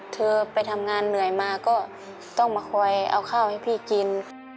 เธอไปทำงานเหนื่อยมาก็ต้องมาคอยเอาข้าวให้พี่กิน